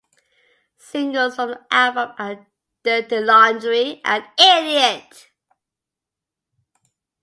Singles from the album are "Dirty Laundry" and "Idiot".